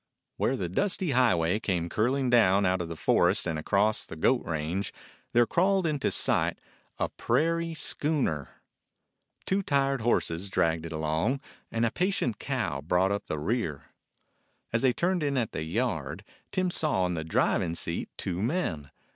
Where the dusty highway came curling down out of the forest and 12 A DOG OF THE SIERRA NEVADAS across the goat range, there crawled into sight a "prairie schooner." Two tired horses dragged it along, and a patient cow brought up the rear. As they turned in at the yard, Tim saw on the driving seat two men.